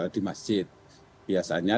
di masjid biasanya